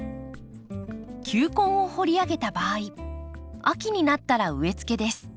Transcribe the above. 球根を掘り上げた場合秋になったら植えつけです。